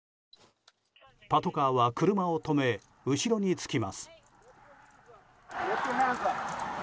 パトカーは車を止め後ろにつきます。